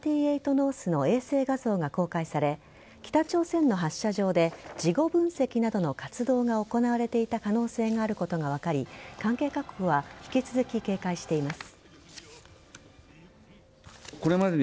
ノースの衛星画像が公開され北朝鮮の発射場で事後分析などの活動が行われていた可能性があることが分かり関係各国は引き続き警戒しています。